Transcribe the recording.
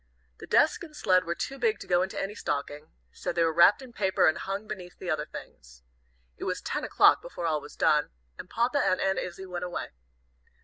The desk and sled were too big to go into any stocking, so they were wrapped in paper and hung beneath the other things. It was ten o'clock before all was done, and Papa and Aunt Izzie went away.